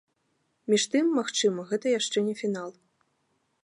Між тым, магчыма, гэта яшчэ не фінал.